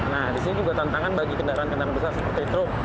nah di sini juga tantangan bagi kendaraan kendaraan besar seperti truk